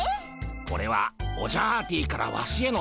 これはオジャアーティからワシへの挑戦状。